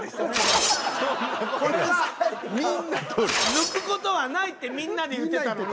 抜く事はないってみんなで言ってたのに。